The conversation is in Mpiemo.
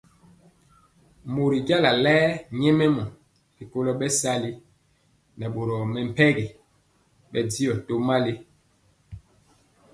Mori jala lae nyɛmemɔ rikolo bɛsali nɛ boro mɛmpegi bɛndiɔ tomali nɛ.